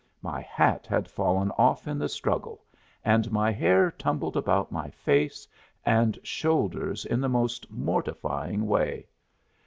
My hat had fallen off in the struggle and my hair tumbled about my face and shoulders in the most mortifying way.